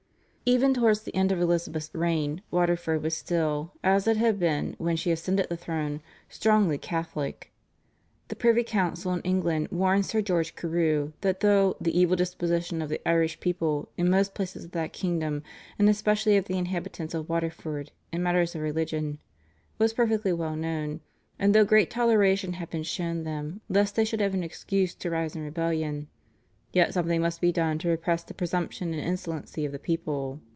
" Even towards the end of Elizabeth's reign Waterford was still, as it had been when she ascended the throne, strongly Catholic. The privy council in England warned Sir George Carew that though "the evil disposition of the Irish people in most places of that kingdom, and especially of the inhabitants of Waterford, in matters of religion" was perfectly well known, and though great toleration had been shown them lest they should have an excuse to rise in rebellion, "yet something must be done to repress the presumption and insolency of the people."